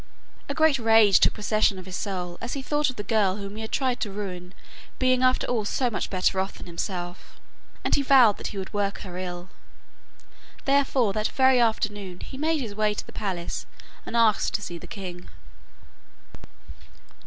A great rage took possession of his soul as he thought of the girl whom he had tried to ruin being after all so much better off than himself, and he vowed that he would work her ill. Therefore that very afternoon he made his way to the palace and asked to see the king.